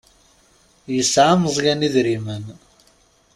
Yesɛa Meẓyan idrimen.